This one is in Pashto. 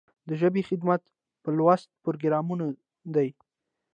د ژبې خدمت په لوست پروګرامونو دی.